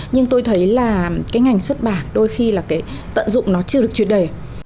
nhưng tôi thấy là cái ngành xuất bản đôi khi là cái tận dụng nó chưa được truyền đề